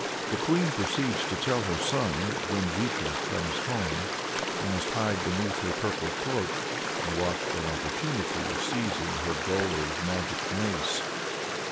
The Queen proceeds to tell her son that, when Vikhor comes home, he must hide beneath her purple cloak, and watch for an opportunity of seizing her gaoler's magic mace.